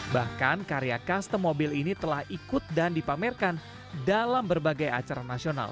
bahkan karya custom mobil ini telah ikut dan dipamerkan dalam berbagai acara nasional